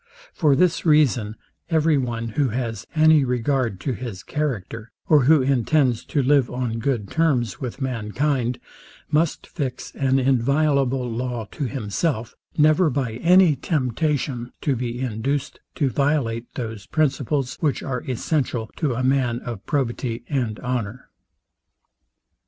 For this reason, every one, who has any regard to his character, or who intends to live on good terms with mankind, must fix an inviolable law to himself, never, by any temptation, to be induced to violate those principles, which are essential to a man of probity and honour.